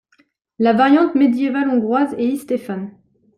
La variante médiévale hongroise est Istefán.